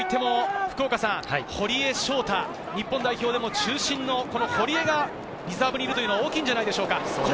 堀江翔太、日本代表でも中心の堀江がリザーブにいるのは大きいじゃないでしょうか。